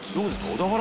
小田原」